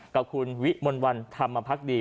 กับคุณวิมนต์วันทำมาพักดี